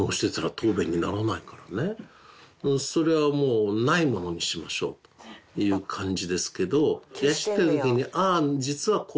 それはもうないものにしましょうという感じですけど野次ってる時に。